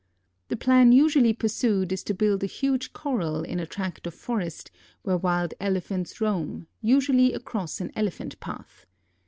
The plan usually pursued is to build a huge corral in a tract of forest where wild Elephants roam, usually across an Elephant path.